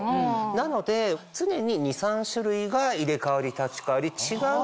なので常に２３種類が入れ代わり立ち代わり違う